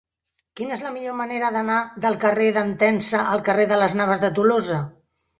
Quina és la millor manera d'anar del carrer d'Entença al carrer de Las Navas de Tolosa?